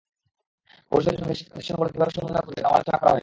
পরিষদের সঙ্গে শিক্ষা প্রতিষ্ঠানগুলো কীভাবে সমন্বয় করবে তাও আলোচনা করা হয়নি।